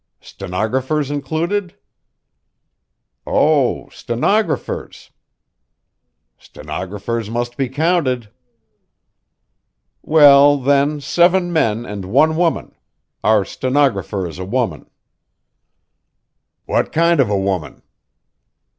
"Stenographers included?" "Oh, stenographers!" "Stenographers must be counted." "Well, then, seven men and one woman. Our stenographer is a woman." "What kind of a woman?"